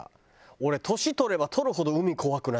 俺年取れば取るほど海怖くなっちゃった。